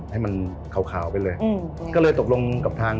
ให้มันขาวขาวไปเลยก็เลยตกลงกับทาง